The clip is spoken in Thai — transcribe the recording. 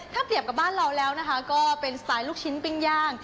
ถ้าเปรียบกับบ้านเราแล้วนะคะก็เป็นสไตล์ลูกชิ้นปิ้งย่าง